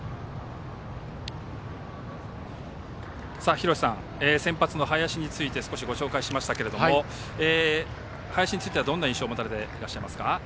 廣瀬さん、先発の林について少しご紹介しましたけれども林についてはどんな印象を持たれてますか？